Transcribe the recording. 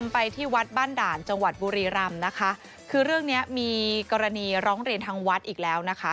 ไปที่วัดบ้านด่านจังหวัดบุรีรำนะคะคือเรื่องเนี้ยมีกรณีร้องเรียนทางวัดอีกแล้วนะคะ